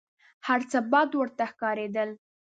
هر څه بد ورته ښکارېدل .